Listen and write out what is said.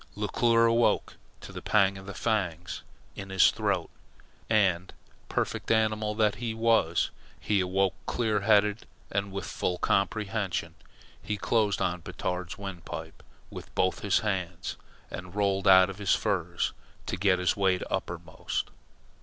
Leclere awoke to the pang of the fangs in his throat, and, perfect animal that he was, he awoke clear headed and with full comprehension. He closed on Batard's windpipe with both his hands, and rolled out of his furs to get his weight uppermost.